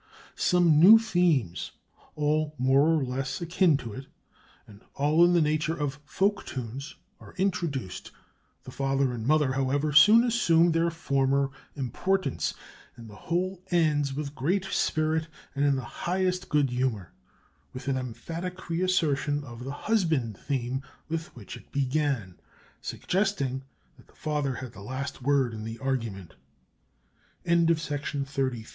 "] "Some new themes, all more or less akin to it, and all in the nature of folk tunes, are introduced. The father and mother, however, soon assume their former importance, and the whole ends with great spirit and in the highest good humor, with an emphatic reassertion of the husband theme with which it began, suggesting that the father had the last word in the arg